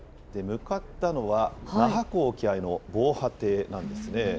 向かったのは、那覇港沖合の防波堤なんですね。